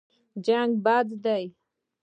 جنګ بد دی.